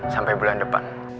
sampai bulan depan